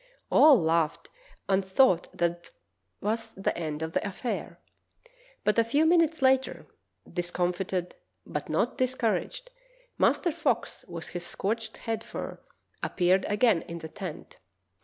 All laughed and thought that was the end of the affair. But a few minutes later, discomfited but not discour aged. Master Fox, with his scorched head fur, appeared again in the tent.